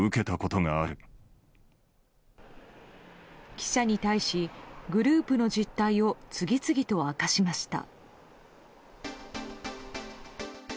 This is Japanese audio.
記者に対し、グループの実態を次々と明かしました。